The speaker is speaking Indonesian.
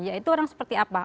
yaitu orang seperti apa